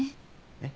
えっ？